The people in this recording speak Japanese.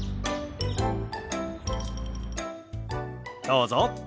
どうぞ。